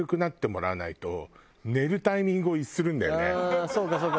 ああそうかそうか。